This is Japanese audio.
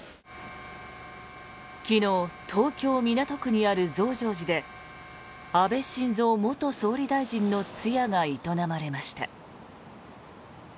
昨日、東京・港区にある増上寺で安倍晋三元総理大臣の通夜が営まれました。